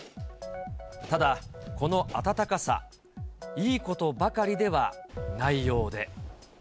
ただ、この暖かさ、いいことばかりではないようで。